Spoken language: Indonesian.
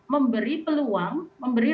memberi peluang memberi